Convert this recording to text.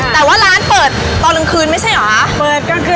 แต่ว่าร้านเปิดตอนกลางคืนไม่ใช่เหรอ